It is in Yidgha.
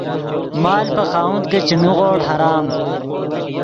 مال پے خاوند کہ چے نیغوڑ حرام